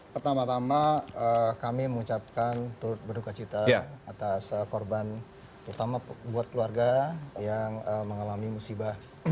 pertama tama kami mengucapkan turut berdukacita atas korban utama buat keluarga yang mengalami musibah